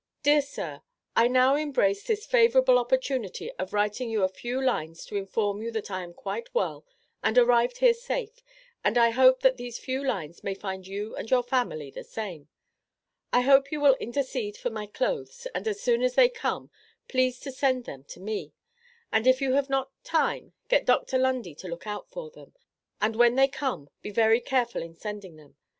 DEAR SIR: I now embrace this favorable opportunity of writing you a few lines to inform you that I am quite well and arrived here safe, and I hope that these few lines may find you and your family the same. I hope you will intercede for my clothes and as soon as they come please to send them to me, and if you have not time, get Dr. Lundy to look out for them, and when they come be very careful in sending them.